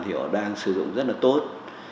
thì họ đang sử dụng rất là tốt